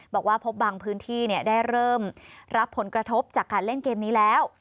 บอกว่าพบบางพื้นที่ได้เริ่มรับผลกระทบจากการเล่นเกมนี้แล้ว